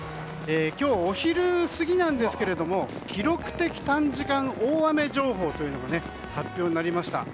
今日、お昼過ぎなんですが記録的短時間大雨情報というのが発表になりました。